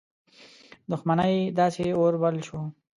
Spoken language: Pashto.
دښمنۍ داسي اور بل شو.